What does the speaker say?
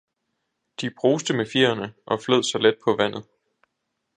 de bruste med fjerene og flød så let på vandet.